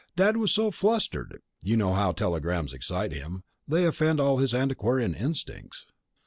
Dad was so flustered (you know how telegrams excite him: they offend all his antiquarian instincts!)